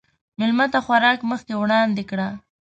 مېلمه ته خوراک مخکې وړاندې کړه.